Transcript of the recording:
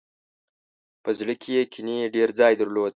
په زړه کې یې کینې ډېر ځای درلود.